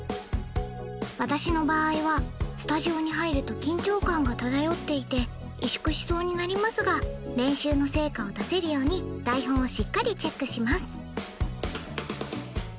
私の場合はスタジオに入ると緊張感が漂っていて萎縮しそうになりますが練習の成果を出せるように台本をしっかりチェックします